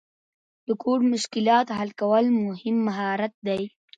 د کوډ مشکلات حل کول مهم مهارت دی.